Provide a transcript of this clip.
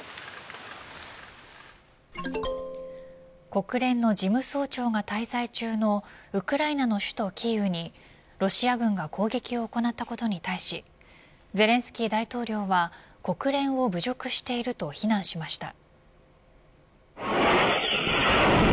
国連の事務総長が滞在中のウクライナの首都キーウにロシア軍が攻撃を行ったことに対しゼレンスキー大統領は国連を侮辱していると非難しました。